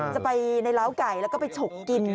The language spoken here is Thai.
จะไปในล้าวไก่แล้วก็ไปฉกกิน